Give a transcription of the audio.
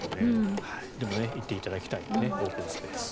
でも、行っていただきたいオープンスペース。